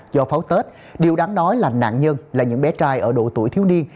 cho pháo tết điều đáng nói là nạn nhân là những bé trai ở độ tuổi thiếu niên